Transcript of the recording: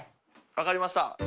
分かりました。